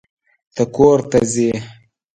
ته کور ته ځې.